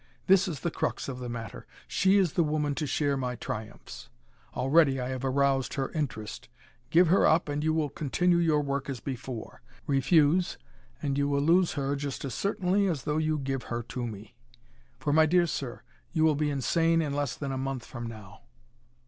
This is the crux of the matter. She is the woman to share my triumphs. Already I have aroused her interest. Give her up and you will continue your work as before. Refuse, and you will lose her just as certainly as though you give her to me. For, my dear sir, you will be insane in less than a month from now.